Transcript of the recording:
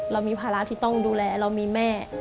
เรามีภาระที่ต้องดูแลเรามีแม่